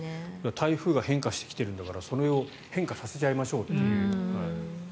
台風が変化してきているんだからそれを変化させちゃいましょうっていう。